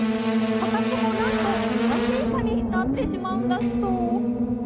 価格もなんと半値以下になってしまうんだそう。